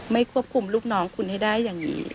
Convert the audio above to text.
ควบคุมลูกน้องคุณให้ได้อย่างนี้